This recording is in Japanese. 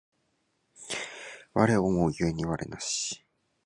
我思う故に我なし